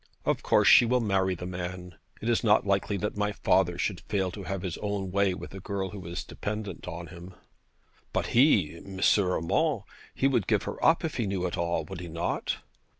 Of course she will marry the man. It is not likely that my father should fail to have his own way with a girl who is dependent on him.' 'But he M. Urmand; he would give her up if he knew it all, would he not?'